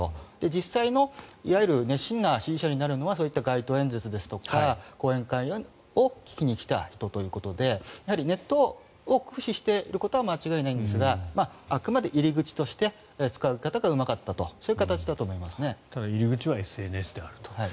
実際のいわゆる熱心な支持者になるのはそういった街頭演説ですとか講演会を聞きに来た人ということでネットを駆使していることは間違いないんですがあくまで入り口として使い方がうまかったとただ入り口はＳＮＳであると。